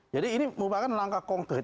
jadi ini merupakan langkah konkret